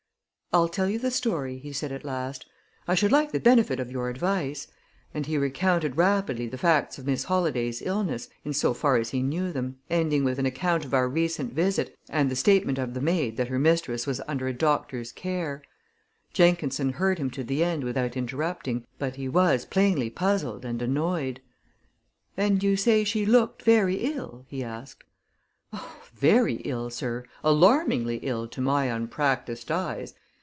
"I'll tell you the story," he said at last. "I should like the benefit of your advice;" and he recounted rapidly the facts of Miss Holladay's illness, in so far as he knew them, ending with an account of our recent visit, and the statement of the maid that her mistress was under a doctor's care. Jenkinson heard him to the end without interrupting, but he was plainly puzzled and annoyed. "And you say she looked very ill?" he asked. "Oh, very ill, sir; alarmingly ill, to my unpracticed eyes.